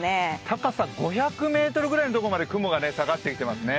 高さ５００ｍぐらいのところまで雲が下がってきていますね。